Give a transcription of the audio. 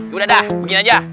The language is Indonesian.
yaudah dah begini aja